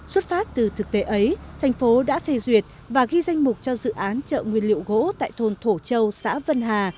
xuất phát từ thực tế ấy thành phố đã phê duyệt và ghi danh mục cho dự án chợ nguyên liệu gỗ tại thôn thổ châu xã vân hà